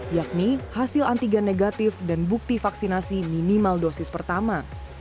yakni hasil antigen negatif dan bukti vaksinasi minimal dosis pertama